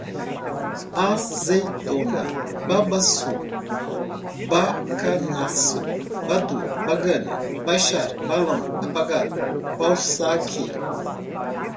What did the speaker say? azeitona, babaçú, bacanaço, badú, bagana, baixar, balão apagado, balzáquia